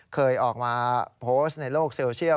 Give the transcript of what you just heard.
เคยออกมาส่งในโลกว่าประเภท